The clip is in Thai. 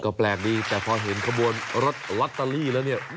ก็แปลกดีแต่พอเห็นขบวนรถลอตเตอรี่แล้วเนี่ย